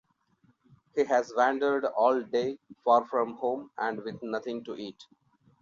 He has wandered all day, far from home and with nothing to eat.